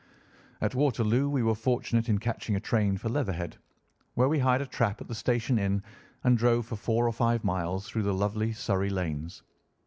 At Waterloo we were fortunate in catching a train for Leatherhead, where we hired a trap at the station inn and drove for four or five miles through the lovely Surrey lanes.